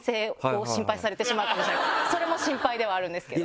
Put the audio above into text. それも心配ではあるんですけど。